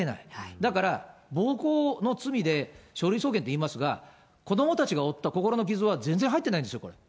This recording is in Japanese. だから暴行の罪で書類送検っていいますが、子どもたちが負った心の傷は全然入ってないんですよ、これ。